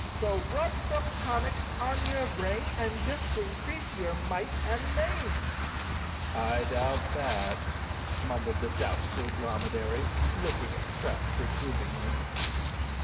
" So rub some tonic on your brain And just increase your might and mane! " "I doubt that," mumbled the Doubtful Dromedary, looking at Scraps reprovingly.